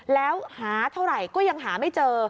แล้วหาเท่าไหร่ก็ยังหาไม่เจอ